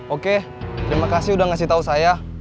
oke terima kasih udah ngasih tau saya